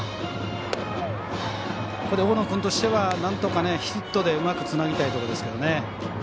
ここで大野君としてはなんとかヒットでうまくつなぎたいところですが。